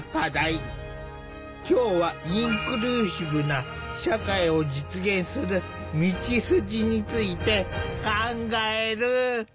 今日はインクルーシブな社会を実現する道筋について考える。